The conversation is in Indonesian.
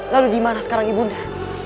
lalu dimana sekarang ibunda